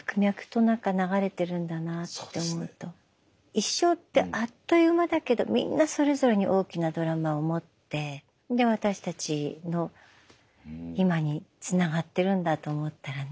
一生ってあっという間だけどみんなそれぞれに大きなドラマを持ってで私たちの今につながってるんだと思ったらね